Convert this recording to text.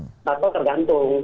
tidak tahu tergantung